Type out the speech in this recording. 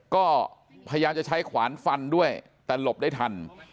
ก็พยายามจะใช้ขวานฟันด้วยแต่หลบได้ทัน